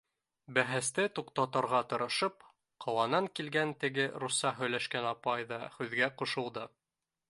— Бәхәсте туҡтатырға тырышып, ҡаланан килгән теге русса һөйләшкән апай ҙа һүҙгә ҡушылды.